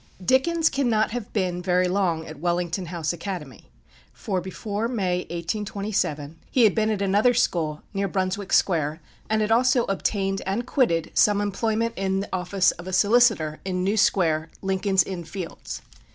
Dickens cannot have been very long at Wellington House Academy, for before May, 1827, he had been at another school near Brunswick Square, and had also obtained, and quitted, some employment in the office of a solicitor in New Square, Lincoln's Inn Fields.